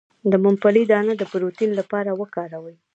د ممپلی دانه د پروتین لپاره وکاروئ